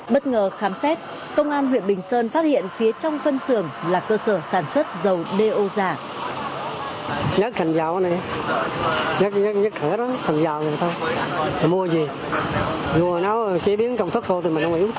bất ngờ khám xét công an huyện bình sơn phát hiện phía trong phân xưởng là cơ sở sản xuất dầu đeo giả